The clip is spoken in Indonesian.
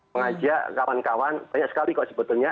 mengajak kawan kawan banyak sekali kok sebetulnya